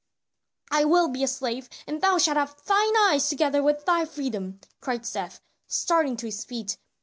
"I will be a slave, and thou shalt have thine eyes together with thy freedom," cried Seth, starting to his feet.